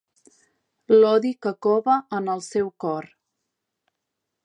L'odi que cova en el seu cor.